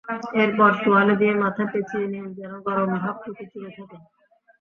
এরপর তোয়ালে দিয়ে মাথা পেঁচিয়ে নিন যেন গরম ভাপটুকু চুলে লাগে।